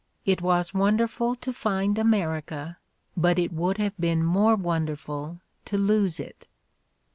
It was wonderful to find America, but it would have been more wonderftd to lose it."